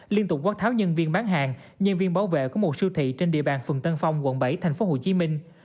liên tục quất tháo nhân viên bán hàng nhân viên bảo vệ của một siêu thị trên địa bàn phường tân phong quận bảy thành phố hồ chí minh